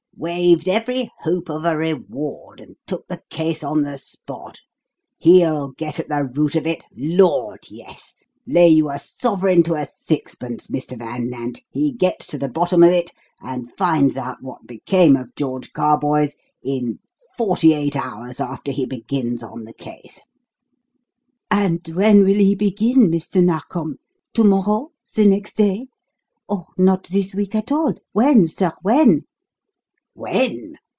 Waived every hope of a reward, and took the case on the spot. He'll get at the root of it Lord, yes! Lay you a sovereign to a sixpence, Mr. Van Nant, he gets to the bottom of it and finds out what became of George Carboys in forty eight hours after he begins on the case." "And when will he begin, Mr. Narkom? To morrow? The next day? Or not this week at all? When, sir when?" "When?